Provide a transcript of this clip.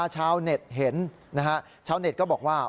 ชาวเน็ตเห็นนะฮะชาวเน็ตก็บอกว่า